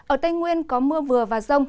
ở tây nguyên có mưa vừa và rông